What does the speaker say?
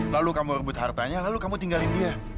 lalu kamu rebut hartanya lalu kamu tinggalin dia